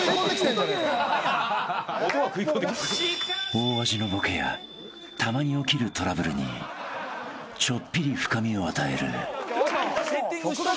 ［大味のボケやたまに起きるトラブルにちょっぴり深みを与える］